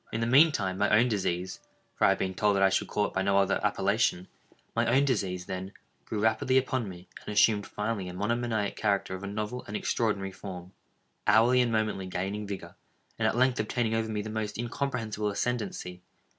In the mean time my own disease—for I have been told that I should call it by no other appellation—my own disease, then, grew rapidly upon me, and assumed finally a monomaniac character of a novel and extraordinary form—hourly and momently gaining vigor—and at length obtaining over me the most incomprehensible ascendancy.